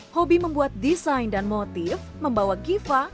hobi membuat desain dan motif membawa giva